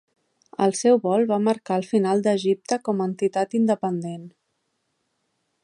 El seu vol va marcar el final d'Egipte com a entitat independent.